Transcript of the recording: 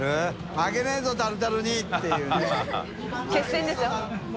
負けねぇぞタルタルにっていうね井森）